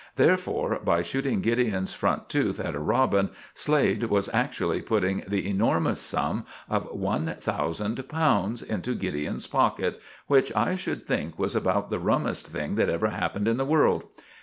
Therefore, by shooting Gideon's front tooth at a robin, Slade was actually putting the enormous sum of one thousand pounds into Gideon's pocket, which I should think was about the rummest thing that ever happened in the world.